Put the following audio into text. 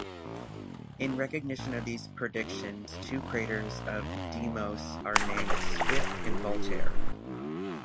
In recognition of these 'predictions', two craters on Deimos are named Swift and Voltaire.